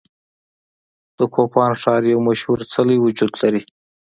د کوپان ښار یو مشهور څلی وجود لري.